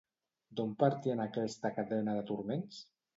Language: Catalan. D'on partien aquesta cadena de turments?